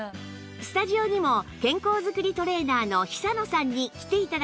スタジオにも健康づくりトレーナーの久野さんに来て頂きました